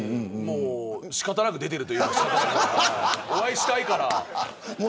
仕方なく出てるといいますかお会いしたいから。